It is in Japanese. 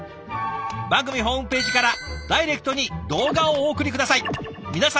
番組ホームページからダイレクトに動画をお送り下さい。